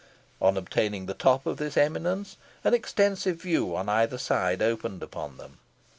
On obtaining the top of this eminence, an extensive view on either side opened upon them.